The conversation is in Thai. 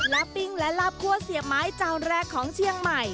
ราปิงและราบครัวเสียบไม้จะวนแรกของเชียงใหม่